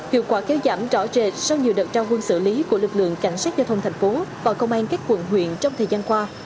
hiệu quả kéo giảm rõ rệt sau nhiều đợt trao quân xử lý của lực lượng cảnh sát giao thông thành phố và công an các quận huyện trong thời gian qua